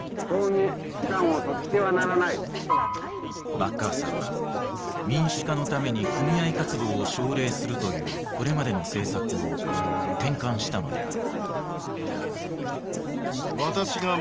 マッカーサーは民主化のために組合活動を奨励するというこれまでの政策を転換したのである。